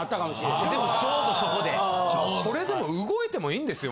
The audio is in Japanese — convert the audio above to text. これでも動いてもいいんですよ。